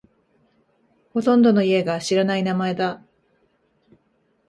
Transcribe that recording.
ほとんどの家が知らない名前だ。